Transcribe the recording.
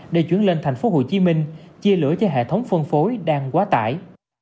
để chuyển lên tp hcm chia lửa cho hệ thống phân phối đang quá tải